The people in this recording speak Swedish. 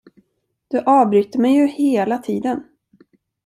Du avbryter mig ju hela tiden?